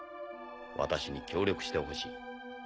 私に協力してほしい。